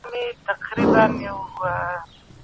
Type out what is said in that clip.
کله بايد هلک د نجلۍ کورنۍ ته مرکه ورولېږي؟